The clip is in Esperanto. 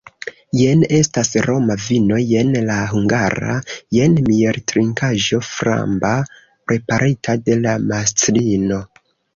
Jen estas roma vino, jen la hungara, jen mieltrinkaĵo framba, preparita de la mastrino!